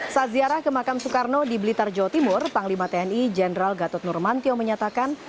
saat ziarah ke makam soekarno di blitar jawa timur panglima tni jenderal gatot nurmantio menyatakan